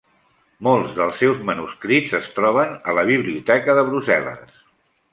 Molts dels seus manuscrits es troben en la Biblioteca de Brussel·les.